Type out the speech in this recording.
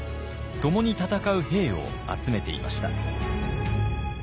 共に戦う兵を集めていました。